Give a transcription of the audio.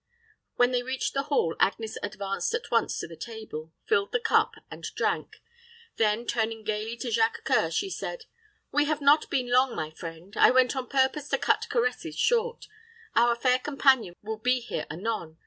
When they reached the hall, Agnes advanced at once to the table, filled the cup, and drank; then, turning gayly to Jacques C[oe]ur, she said, "We have not been long, my friend. I went on purpose to cut caresses short. Our fair companion will be here anon.